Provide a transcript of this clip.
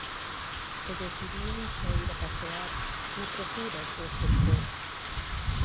E decidían saír a pasear na procura do solpor.